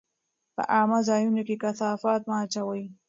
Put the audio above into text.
په عامه ځایونو کې کثافات مه اچوئ.